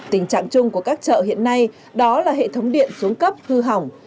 tình trạng chung của các chợ hiện nay đó là hệ thống điện xuống cấp hư hỏng